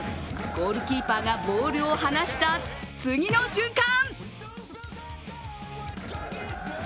ゴールキーパーがボールを離した次の瞬間。